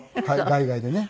海外でね